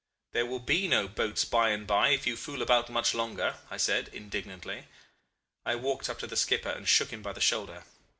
'There will be no boats by and by if you fool about much longer,' I said, indignantly. I walked up to the skipper and shook him by the shoulder.